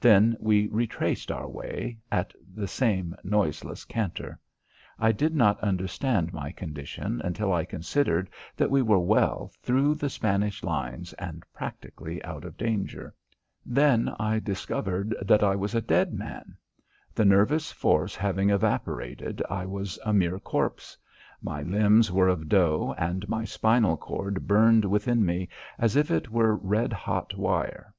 Then we retraced our way, at the same noiseless canter. I did not understand my condition until I considered that we were well through the Spanish lines and practically out of danger. Then I discovered that I was a dead man. The nervous force having evaporated I was a mere corpse. My limbs were of dough and my spinal cord burned within me as if it were red hot wire.